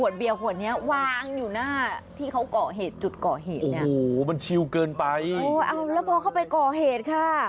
ใช่แล้วนี่ค่ะมาตามตัว